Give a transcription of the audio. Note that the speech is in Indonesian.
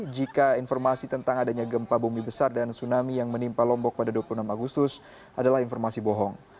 jika informasi tentang adanya gempa bumi besar dan tsunami yang menimpa lombok pada dua puluh enam agustus adalah informasi bohong